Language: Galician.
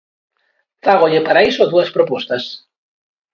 Fágolle, para iso, dúas propostas.